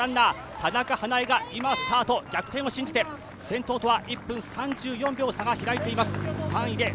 田中華絵が逆転を信じて、先頭とは１分３４秒、差が開いています。